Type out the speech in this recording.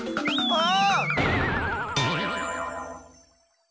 ああ。